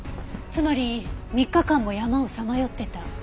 つまり３日間も山をさまよってた。